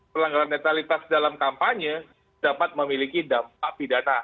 pelanggaran netralitas dalam kampanye dapat memiliki dampak pidana